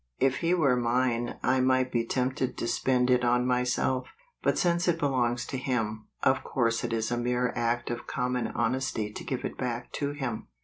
If it were mine I might be tempted to spend it on myself; but since it belongs to Him, of course it is a mere act of common honesty to give it back to Him.